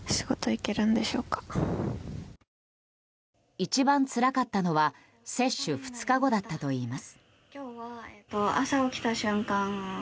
一番つらかったのは接種２日後だったといいます。